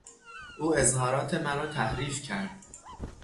او اظهارات مرا تحریف کرد.